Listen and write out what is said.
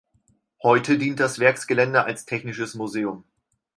Heute dient das Werksgelände als Technisches Museum.